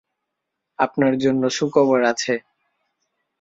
আপনার জন্য সুখবর আছে!